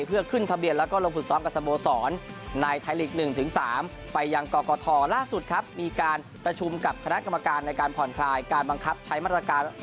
เป็นชาวต่างชาติทั้งหมด